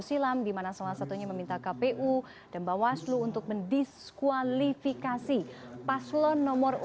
silam dimana salah satunya meminta kpu dan bawaslu untuk mendiskualifikasi paslon nomor